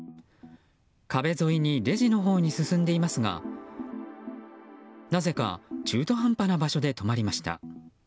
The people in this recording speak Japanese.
壁沿いにレジのほうに進んでいますがなぜか中途半端な場所で止まりました。